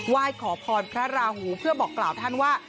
ไหว้ขอพรพระราหูเพื่อบอกกล่าวท่านว่า